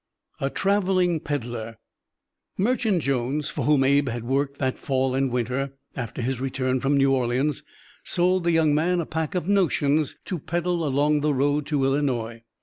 A TRAVELING PEDDLER Merchant Jones, for whom Abe had worked that fall and winter, after his return from New Orleans, sold the young man a pack of "notions" to peddle along the road to Illinois.